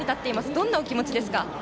どんなお気持ちですか？